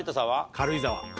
軽井沢。